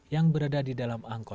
yang berada di dalam angkot